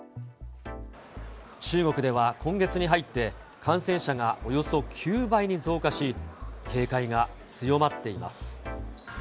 中国では今月に入って、感染者がおよそ９倍に増加し、警戒が強まっています。